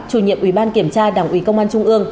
chủ nhiệm ủy ban kiểm tra đảng ủy công an trung ương